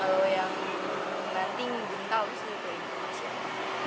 kalau yang nanti minta harus liburin